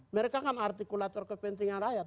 mereka kan artikulator kepentingan rakyat